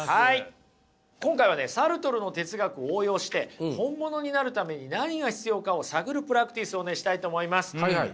今回はねサルトルの哲学を応用して本物になるために何が必要かを探るプラクティスをねしたいと思います。